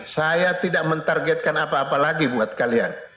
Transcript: saya tidak mentargetkan apa apa lagi buat kalian